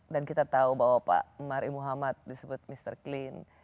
dan kita tahu bahwa pak mari muhammad disebut mr clean